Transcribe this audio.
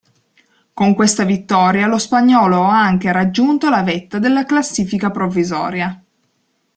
Con questa vittoria lo spagnolo ha anche raggiunto la vetta della classifica provvisoria.